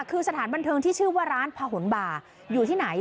คือสถานบันเทิงที่ชื่อว่าร้านพะหนบ่าอยู่ที่ไหน